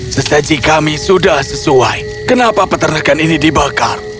sesaji kami sudah sesuai kenapa peternakan ini dibakar